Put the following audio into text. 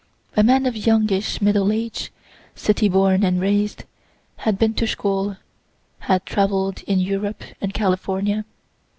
A man of youngish middle age, city born and raised, had been to school, had travel'd in Europe and California.